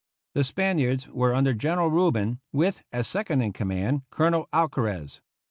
The Spaniards were under General Rubin, with, as second in command. Colonel Alcarez.